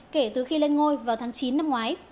kể từ khi lên ngôi vào tháng chín năm ngoái